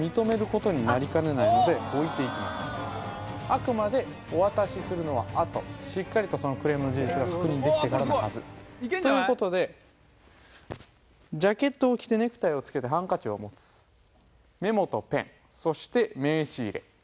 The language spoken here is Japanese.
あくまでお渡しするのはあとしっかりとそのクレームの事実が確認できてからのはずということでジャケットを着てネクタイをつけてハンカチを持つメモとペンそして名刺入れ